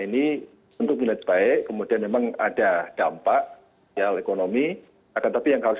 ini untuk melihat baik kemudian memang ada dampak ya oleh ekonomi tetapi yang harus